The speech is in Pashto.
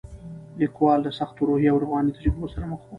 لیکوال له سختو روحي او رواني تجربو سره مخ و.